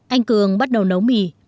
anh cường bắt đầu nấu mì